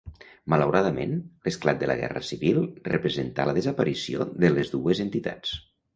Malauradament, l'esclat de la guerra civil representà la desaparició de les dues entitats.